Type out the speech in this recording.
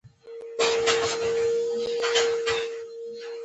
د ښرنې ښار د ماسټر پلان په اساس جوړېږي.